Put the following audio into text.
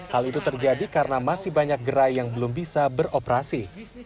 hal itu terjadi karena masih banyak gerai yang belum bisa beroperasi